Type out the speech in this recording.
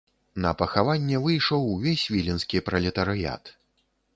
На пахаванне выйшаў увесь віленскі пралетарыят.